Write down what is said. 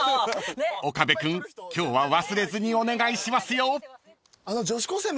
［岡部君今日は忘れずにお願いしますよ］